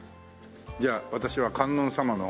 じゃあ私は観音様の。